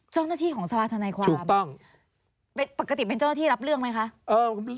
เจ้าหน้าที่ของสภาธนาความปกติเป็นเจ้าหน้าที่รับเรื่องไหมคะ